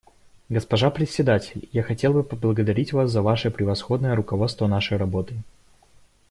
Госпожа Председатель, я хотел бы поблагодарить вас за ваше превосходное руководство нашей работой.